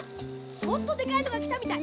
もっとでかいのがきたみたい。